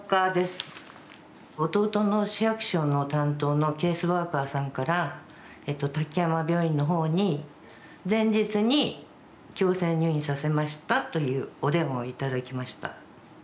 弟の市役所の担当のケースワーカーさんから「滝山病院の方に前日に強制入院させました」というお電話を頂きました。